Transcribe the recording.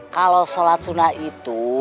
kalau sholat suna itu